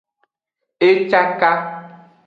E caka.